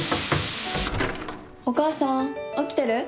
お母さん起きてる？